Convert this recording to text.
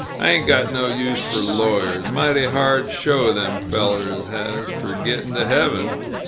"I ain't got no use fer lawyers mighty hard show them fellers has, fer get'n' to heaven.